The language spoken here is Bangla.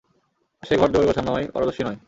সে ঘর-দুয়োর গোছানোয় পারদর্শী নয়।